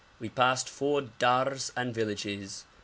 We passed four dars and villages.